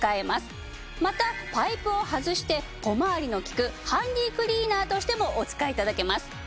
またパイプを外して小回りの利くハンディークリーナーとしてもお使い頂けます。